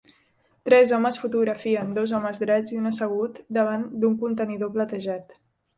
Tres homes fotografien dos homes drets i un assegut davant d'un contenidor platejat